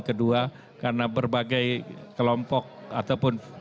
kedua karena berbagai kelompok ataupun